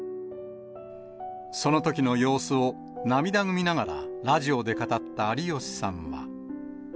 そのときの様子を、涙ぐみながらラジオで語った有吉さんは。